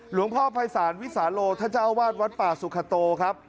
หลวงพ่อภัยศาลวิสาโลท่านเจ้าวาดวัดป่าสุขโตครับ